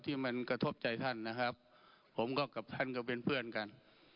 ที่มันกระทบใจท่านนะครับผมก็กับท่านก็เป็นเพื่อนกัน